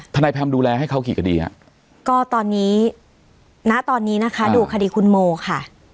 ทนายแพมดูแลให้เขากี่คดีฮะก็ตอนนี้ณตอนนี้นะคะดูคดีคุณโมค่ะ